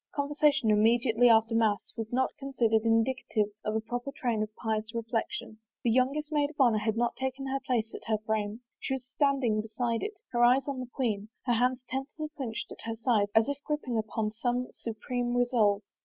Conversation immediately after mass was not considered indicative of a proper train of pious reflection. The youngest maid of honor had not taken her place at her frame. She was standing beside it, her eyes on the queen, her hands tensely clinched at her sides as if grip ping upon some supreme resolve.